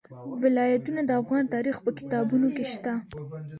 ولایتونه د افغان تاریخ په کتابونو کې شته.